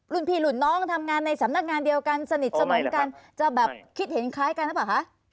รุ่นพี่รุ่นน้องทำงานในสำนักงานเดียวกันสนิทสนมกันจะแบบคิดเห็นคล้ายกันหรือเปล่าคะ